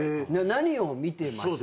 何を見てました？